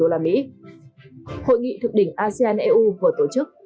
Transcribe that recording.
hội nghị thực định asean eu vừa tổ chức